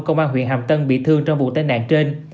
công an huyện hàm tân bị thương trong vụ tai nạn trên